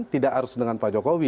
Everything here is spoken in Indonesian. tidak harus dengan pak jokowi